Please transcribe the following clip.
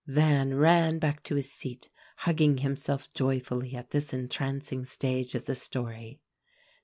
Van ran back to his seat, hugging himself joyfully at this entrancing stage of the story.